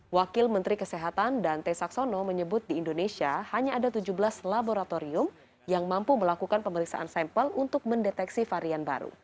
wakil menteri kesehatan dante saxono menyebut di indonesia hanya ada tujuh belas laboratorium yang mampu melakukan pemeriksaan sampel untuk mendeteksi varian baru